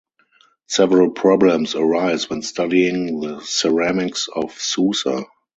Several problems arise when studying the ceramics of Susa.